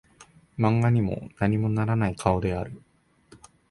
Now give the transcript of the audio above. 漫画にも何もならない顔である